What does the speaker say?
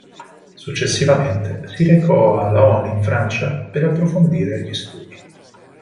Successivamente si recò a Laon in Francia per approfondire gli studi.